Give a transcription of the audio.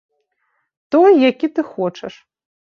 Той, які ты хочаш.